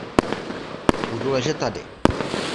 Budu ležet tady.